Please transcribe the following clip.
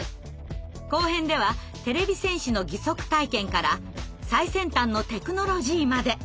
後編ではてれび戦士の義足体験から最先端のテクノロジーまで。